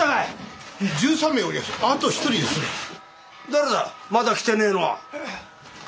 誰だまだ来てねえのは？